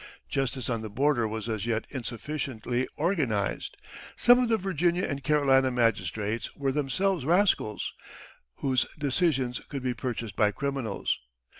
Justice on the border was as yet insufficiently organized. Some of the Virginia and Carolina magistrates were themselves rascals, whose decisions could be purchased by criminals.